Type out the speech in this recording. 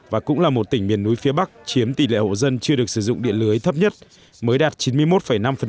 và cũng là một tỉnh miền núi phía bắc chiếm tỷ lệ hộ dân chưa được sử dụng điện lưới thấp nhất mới đạt chín mươi một năm